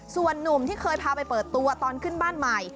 ส่วนนุ่มที่เคยพาไปเปิดตัวตอนขึ้นบ้านใหม่